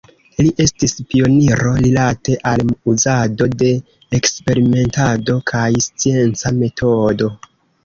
Li estis pioniro rilate al uzado de eksperimentado kaj scienca metodo.